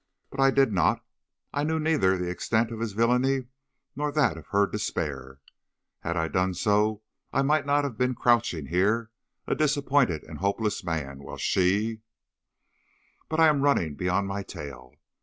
But I did not. I knew neither the extent of his villainy nor that of her despair. Had I done so, I might not have been crouching here a disappointed and hopeless man, while she "But I am running beyond my tale.